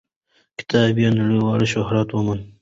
کتاب یې نړیوال شهرت وموند.